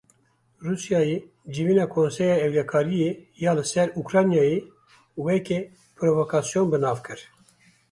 Rûsyayê civîna Konseya Ewlekariyê ya li ser Ukraynayê weke provokasyon bi nav kir.